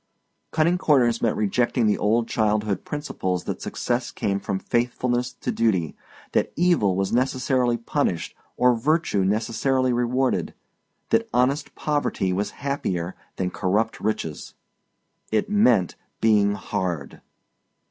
Cutting corners meant rejecting the old childhood principles that success came from faithfulness to duty, that evil was necessarily punished or virtue necessarily rewarded that honest poverty was happier than corrupt riches. It meant being hard.